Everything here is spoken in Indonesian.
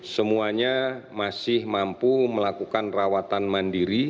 semuanya masih mampu melakukan rawatan mandiri